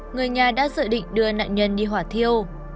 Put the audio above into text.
người nhà đã dự định đưa nạn nhân đi hỏa thiêu